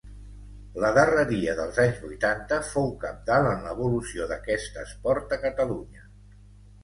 La darreria dels anys vuitanta fou cabdal en l'evolució d'aquest esport a Catalunya.